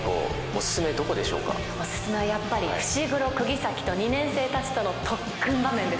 おすすめはやっぱり伏黒釘崎と二年生たちとの特訓場面ですかね。